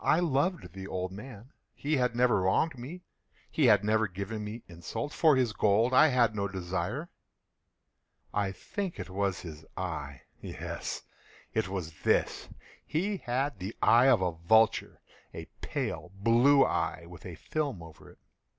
I loved the old man. He had never wronged me. He had never given me insult. For his gold I had no desire. I think it was his eye! yes, it was this! He had the eye of a vulture—a pale blue eye, with a film over it.